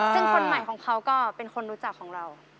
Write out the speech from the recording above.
ซึ่งคนใหม่ของเขาก็เป็นคนรู้จักของเรา